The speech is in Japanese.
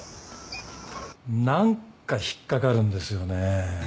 何か引っ掛かるんですよね。